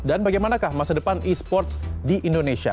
dan bagaimanakah masa depan e sports di indonesia